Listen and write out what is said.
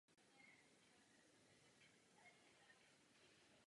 Takový mám dnes pocit.